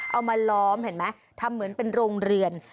เอามาล้อมเห็นไหมทำเหมือนเป็นโรงเรือน